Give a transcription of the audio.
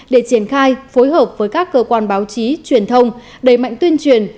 để triển khai phối hợp với các cơ quan báo chí truyền thông đẩy mạnh tuyên truyền